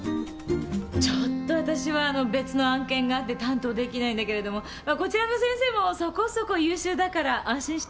ちょっとわたしはあの別の案件があって担当できないんだけれどもまあこちらの先生もそこそこ優秀だから安心して。